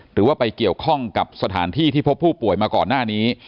หรือว่าไปเกี่ยวข้องกับสถานที่ที่พบผู้ป่วยมาก่อนหน้านี้